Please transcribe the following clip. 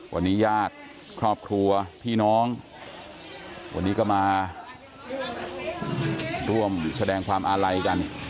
วันนี้ญาติครอบครัวพี่น้องวันนี้ก็มาร่วมแสดงความอาลัยกัน